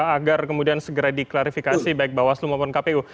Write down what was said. agar kemudian segera diklarifikasi baik bawaslu maupun kpu